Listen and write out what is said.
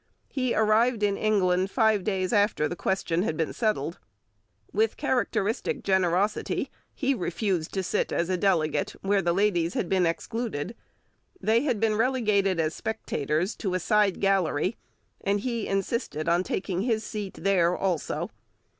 He arrived in England five days after the question had been settled. With characteristic generosity, he refused to sit as a delegate where the ladies had been excluded. They had been relegated as spectators to a side gallery, and he insisted on taking his seat there also.